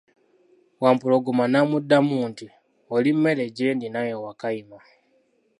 Wampologoma n'amuddamu nti, oli mmere gyendi nawe Wakayima.